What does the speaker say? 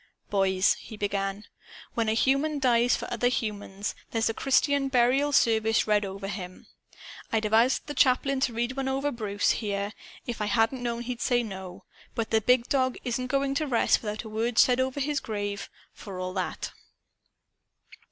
"Boys," he began, "when a human dies for other humans, there's a Christian burial service read over him. I'd have asked the chaplain to read one over Bruce, here, if I hadn't known he'd say no. But the Big Dog isn't going to rest without a word said over his grave, for all that."